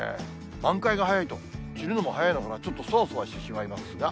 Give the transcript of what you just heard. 満開が早いと、散るのも早いのかなと、ちょっとそわそわしてしまいますが。